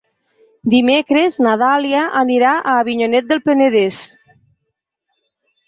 Dimecres na Dàlia anirà a Avinyonet del Penedès.